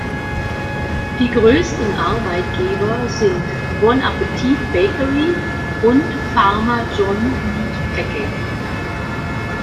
Die größten Arbeitgeber sind "Bon Appetit Bakery" und "Farmer John Meat Packing".